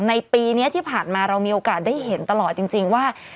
ในปีนี้ที่ผ่านมาเรามีโอกาสได้เห็นตลอดจริงว่า